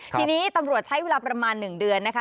ทีนี้ตำรวจใช้เวลาประมาณ๑เดือนนะคะ